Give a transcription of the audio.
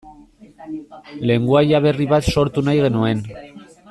Lengoaia berri bat sortu nahi genuen.